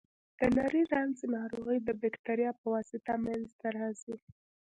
د نري رنځ ناروغي د بکتریا په واسطه منځ ته راځي.